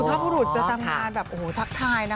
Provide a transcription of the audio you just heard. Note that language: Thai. สุภาพบุรุษเจอตำนานแบบโอ้โหทักทายนะ